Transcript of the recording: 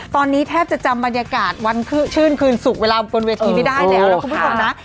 ตอนนี้แทบจะจำบรรยากาศวันชื่นคืนสุขเวลาบนเวทีไม่ได้แล้วนะคุณผู้ชมนะ